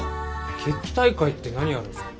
決起大会って何やるんすか？